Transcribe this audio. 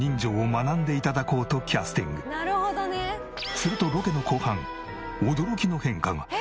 するとロケの後半驚きの変化が。